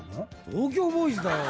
東京ボーイズだよ！